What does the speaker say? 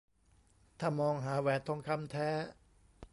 ถ้ามองหาแหวนทองคำแท้